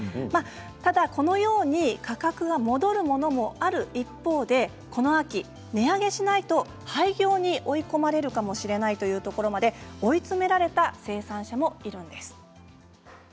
ただこのように価格が戻るものもある一方でこの秋、値上げしないと廃業に追い込まれるかもしれないというところまで追い詰められた生産者もいるんです。